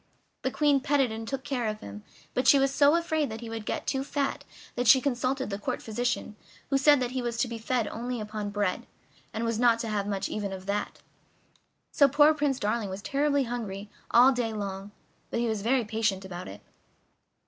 The Queen petted and took care of him, but she was so afraid that he would get too fat that she consulted the court physician, who said that he was to be fed only upon bread, and was not to have much even of that. So poor Prince Darling was terribly hungry all day long, but he was very patient about it.